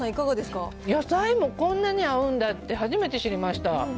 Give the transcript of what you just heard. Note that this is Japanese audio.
野菜もこんなに合うんだって初めて知りました。